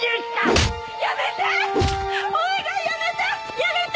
やめて！